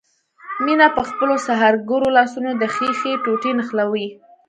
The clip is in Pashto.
مينه په خپلو سحرګرو لاسونو د ښيښې ټوټې نښلوي.